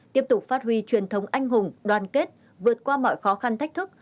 tiếp tục phát huy truyền thống anh hùng đoàn kết vượt qua mọi khó khăn thách thức